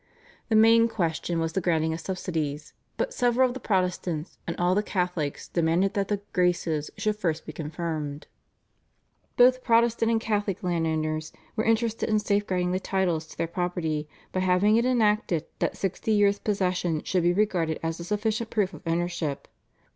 The main question was the granting of subsidies, but several of the Protestants and all the Catholics demanded that the "Graces" should first be confirmed. Both Protestant and Catholic landowners were interested in safeguarding the titles to their property by having it enacted that sixty years' possession should be regarded as a sufficient proof of ownership.